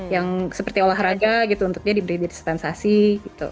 yang seperti olahraga gitu untuk dia diberi dispensasi gitu